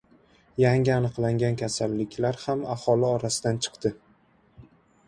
Yangi aniqlangan kasalliklar ham aholi orasidan chiqdi